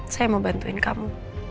saya mau bantuin kamu